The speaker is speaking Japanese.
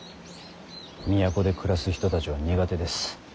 都で暮らす人たちは苦手です。